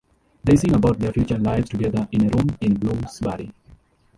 They sing about their future lives together in A Room in Bloomsbury.